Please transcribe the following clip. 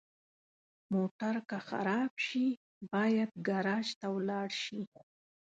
موټر که خراب شي، باید ګراج ته ولاړ شي.